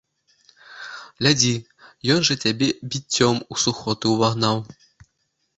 Глядзі, ён жа цябе біццём у сухоты ўвагнаў!